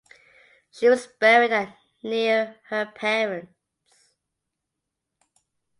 She was buried at the near her parents.